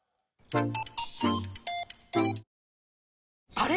あれ？